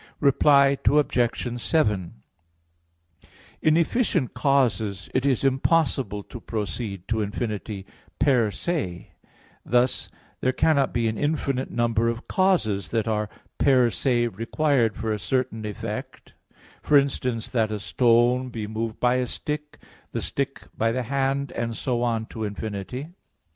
Reply Obj. 7: In efficient causes it is impossible to proceed to infinity per se thus, there cannot be an infinite number of causes that are per se required for a certain effect; for instance, that a stone be moved by a stick, the stick by the hand, and so on to infinity.